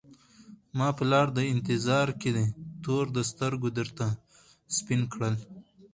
ما په لار د انتظار کي تور د سترګو درته سپین کړل